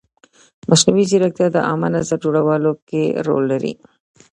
مصنوعي ځیرکتیا د عامه نظر جوړولو کې رول لري.